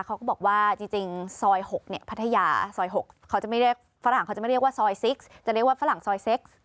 เขาก็บอกว่าจริงพัทยาซอย๖ฝรั่งเขาจะไม่เรียกว่าซอย๖จะเรียกว่าฝรั่งซอย๖